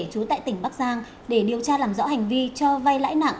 chú tại tỉnh bắc giang để điều tra làm rõ hành vi cho vai lãi nặng